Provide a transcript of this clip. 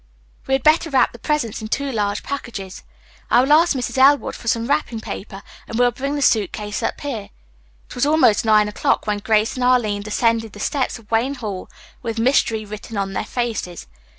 We had better wrap the presents in two large packages. I will ask Mrs. Elwood for some wrapping paper, and we'll bring the suit case up here." It was almost nine o'clock when Grace and Arline descended the steps of Wayne Hall with mystery written on their faces.